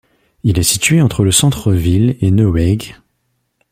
Il est situé entre le centre-ville et Neuweg.